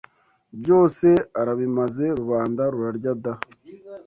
Byose arabimaze Rubanda rurarya da!